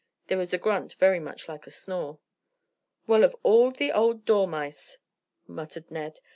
There was a grunt very much like a snore. "Well, of all the old dormice!" muttered Ned.